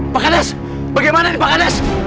pak kades bagaimana nih pak kades